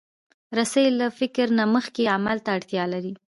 رسۍ له فکر نه مخکې عمل ته اړتیا لري.